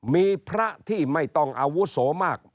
มีพระที่ไม่ต้องอาวุโสมาก